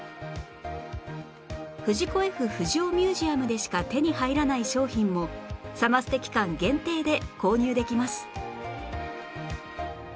藤子・ Ｆ ・不二雄ミュージアムでしか手に入らない商品もサマステ期間限定で購入できます